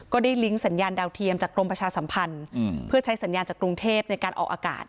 ลิงก์สัญญาณดาวเทียมจากกรมประชาสัมพันธ์เพื่อใช้สัญญาณจากกรุงเทพในการออกอากาศ